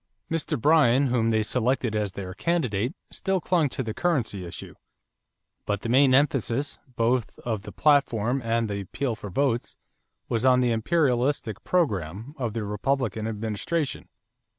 Mr. Bryan, whom they selected as their candidate, still clung to the currency issue; but the main emphasis, both of the platform and the appeal for votes, was on the "imperialistic program" of the Republican administration.